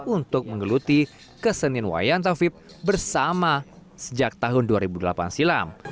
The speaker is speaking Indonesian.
untuk menggeluti kesenin wayang tawib bersama sejak tahun dua ribu delapan silam